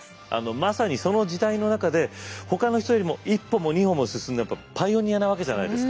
まさにその時代の中でほかの人よりも一歩も二歩も進んだパイオニアなわけじゃないですか。